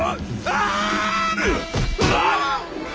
ああ。